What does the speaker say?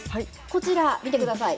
こちら、見てください。